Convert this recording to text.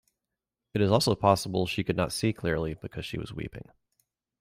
It is also possible she could not see clearly because she was weeping.